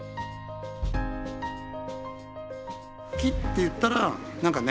木っていったら何かね